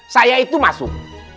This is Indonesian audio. saya itu masuk